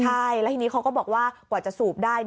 ใช่แล้วทีนี้เขาก็บอกว่ากว่าจะสูบได้